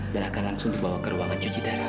dan akan langsung dibawa ke ruangan cuci daerah